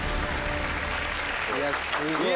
いやすごい。